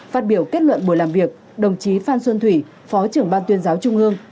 phát biểu kết luận buổi làm việc đồng chí phan xuân thủy phó trưởng ban tuyên giáo trung ương